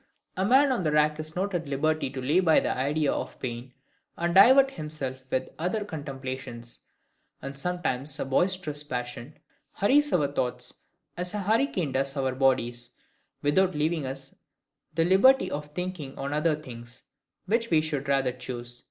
A man on the rack is not at liberty to lay by the idea of pain, and divert himself with other contemplations: and sometimes a boisterous passion hurries our thoughts, as a hurricane does our bodies, without leaving us the liberty of thinking on other things, which we would rather choose.